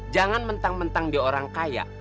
jangan mentang mentang di orang kaya